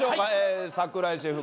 櫻井シェフ